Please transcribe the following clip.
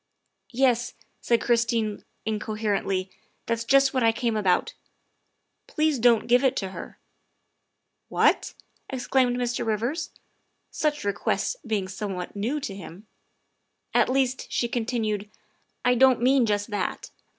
" Yes," said Christine incoherently, " that's just what I came about. Please don 't give it to her. '''' What !'' exclaimed Mr. Rivers, such requests being somewhat new to him. "At least," she continued, " I don't mean just that.